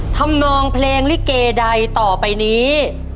นองเพลงลิเกใดต่อไปนี้